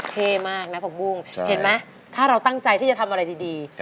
เท่มากนะผักบุ้งเห็นไหมถ้าเราตั้งใจที่จะทำอะไรดี